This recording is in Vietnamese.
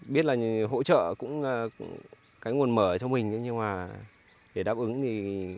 biết là hỗ trợ cũng là cái nguồn mở cho mình nhưng mà để đáp ứng thì